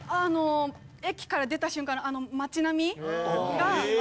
駅から出た瞬間のあの街並みが。